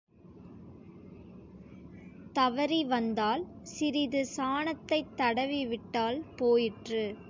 தவறி வந்தால் சிறிது சாணத்தைத் தடவிவிட்டால் போயிற்று.